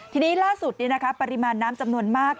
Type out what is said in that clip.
ทีนี้ล่าสุดปริมาณน้ำจำนวนมาก